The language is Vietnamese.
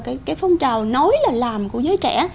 cái phong trào nói là làm của giới trẻ